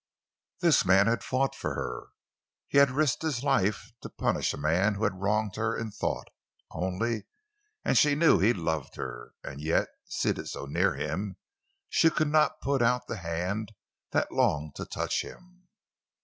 This man had fought for her; he had risked his life to punish a man who had wronged her in thought, only; and she knew he loved her. And yet, seated so near him, she could not put out the hand that longed to touch him.